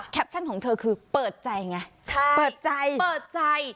แคปชั่นของเธอคือเปิดใจไงเปิดใจ